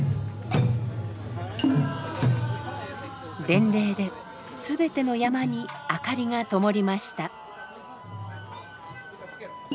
伝令で全てのヤマに明かりがともりました。